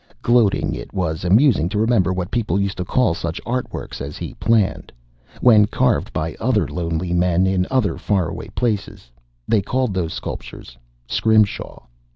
Gloating, it was amusing to remember what people used to call such art works as he planned, when carved by other lonely men in other faraway places. They called those sculptures scrimshaw.